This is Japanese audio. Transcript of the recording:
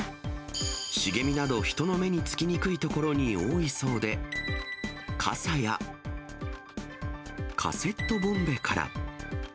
茂みなど、人の目につきにくい所に多いそうで、傘やカセットボンベから。